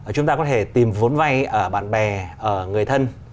chúng ta có thể tìm vốn vay ở bạn bè ở người thân